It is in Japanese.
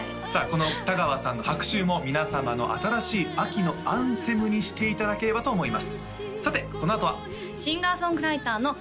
この田川さんの「白秋」も皆様の新しい秋のアンセムにしていただければと思います